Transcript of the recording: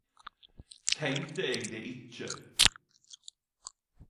Tenkte eg det ikkje!